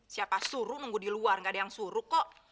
siapa suruh nunggu di luar gak ada yang suruh kok